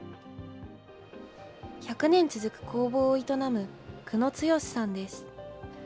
１００年続く工房を営む久野つよしさんです。